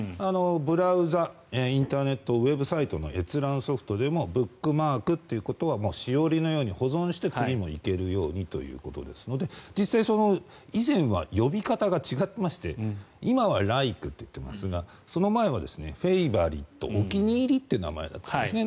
ブラウザ、インターネットウェブサイトの閲覧ソフトでもブックマークということはしおりのように保存して次も行けるようにということですので実際、以前は呼び方が違いまして今はライクと言っていますがその前はフェイバリットお気に入りって名前だったんですね。